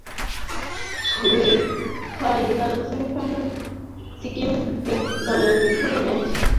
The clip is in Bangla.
সেমিফাইনালে সিকিম এফএ দলের বিপক্ষে ম্যাচে তিনি পেনাল্টি কিক থেকে একটি গোল করেন।